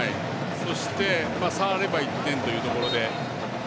そして、触れば１点というところで。